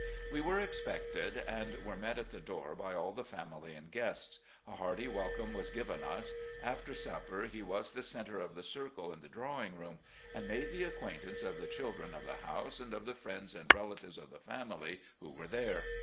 We were expected, and were met at the door by all the family and guests. A hearty welcome was given us. After supper he was the centre of the circle in the drawing room, and made the acquaintance of the children of the house and of the friends and relatives of the family who were there.